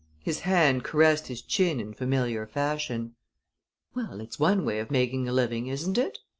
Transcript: His hand caressed his chin in familiar fashion. "Well, it's one way of making a living, isn't it?"